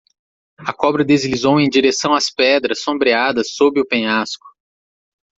A cobra deslizou em direção às pedras sombreadas sob o penhasco.